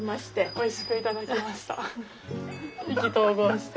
おいしく頂きました。